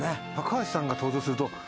高橋さんが登場すると。